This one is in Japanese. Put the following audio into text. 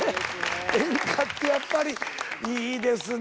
演歌ってやっぱりいいですね。